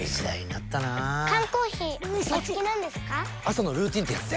朝のルーティンってやつで。